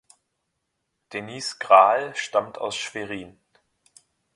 Denise Grahl stammt aus Schwerin.